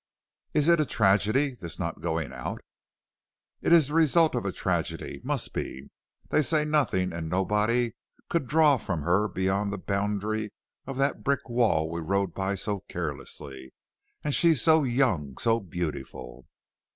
"Is it a tragedy, this not going out?" "It is the result of a tragedy; must be. They say nothing and nobody could draw from her beyond the boundary of that brick wall we rode by so carelessly. And she so young, so beautiful!"